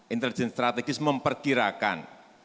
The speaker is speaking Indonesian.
intelijen strategis memperkirakan